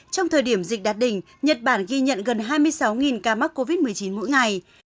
trong thời điểm dịch đạt đỉnh nhật bản ghi nhận gần hai mươi sáu ca mắc covid một mươi chín mỗi ngày